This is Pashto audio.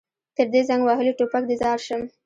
تر دې زنګ وهلي ټوپک دې ځار شم.